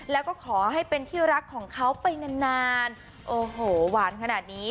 แล้วก็ขอให้เป็นที่รักของเขาไปนานนานโอ้โหหวานขนาดนี้